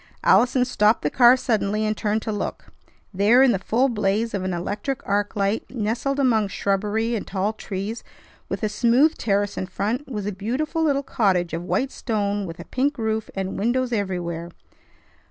Allison stopped the car suddenly, and turned to look. There in the full blaze of an electric arc light, nestled among shrubbery and tall trees, with a smooth terrace in front, was a beautiful little cottage of white stone, with a pink roof, and windows everywhere.